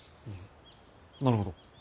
なるほど。